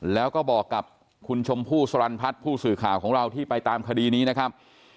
แล้วก็บอกกับคุณชมพู่สรรพัฒน์ผู้สื่อข่าวของเราที่ไปตามคดีนี้นะครับ